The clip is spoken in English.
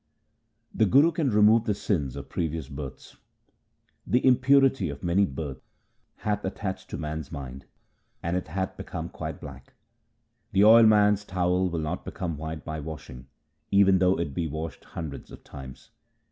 The Guru can remove the sins of previous births: — The impurity of many births hath attached to man's mind, and it hath become quite black. An oilman's towel will not become white by washing, even though it be washed hundreds of times.